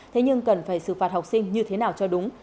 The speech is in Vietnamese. thế nhưng cần phải xử phạt học sinh như thế nào cho đúng